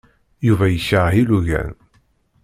Yuba yekṛeh ilugan.